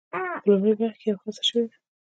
په لومړۍ برخه کې یوه هڅه شوې ده.